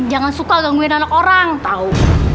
jangan suka gangguin anak orang tau